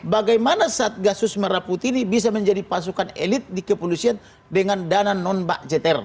bagaimana satgasus merah putih ini bisa menjadi pasukan elit di kepolisian dengan dana non bak jtr